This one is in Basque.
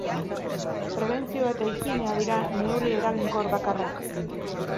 Prebentzioa eta higienea dira neurri eraginkor bakarrak.